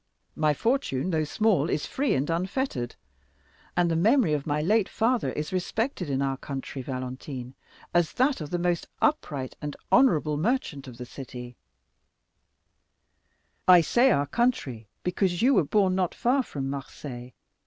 My fortune, though small, is free and unfettered, and the memory of my late father is respected in our country, Valentine, as that of the most upright and honorable merchant of the city; I say our country, because you were born not far from Marseilles."